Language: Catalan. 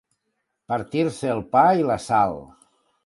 Partir-se el pa i la sal.